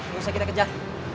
gak usah kita kejar